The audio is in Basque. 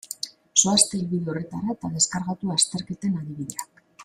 Zoazte helbide horretara eta deskargatu azterketen adibideak.